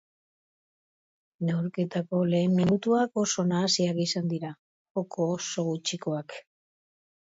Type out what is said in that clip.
Neurketako lehen minutuak oso nahasiak izan dira, joko oso gutxikoak.